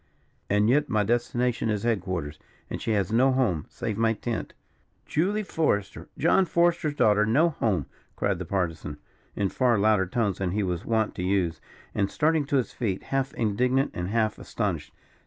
"And yet my destination is headquarters; and she has no home, save my tent." "Julia Forester John Forester's daughter no home!" cried the Partisan, in far louder tones than he was wont to use, and starting to his feet, half indignant and half astonished.